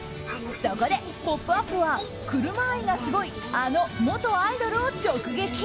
そこで「ポップＵＰ！」は車愛がすごいあの元アイドルを直撃。